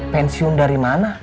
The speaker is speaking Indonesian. pensiun dari mana